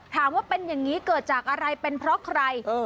ถามว่าเป็นอย่างนี้เกิดจากอะไรเป็นเพราะใคร